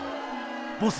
ボス